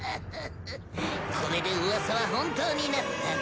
これで噂は本当になった。